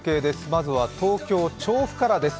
まずは東京・調布からです。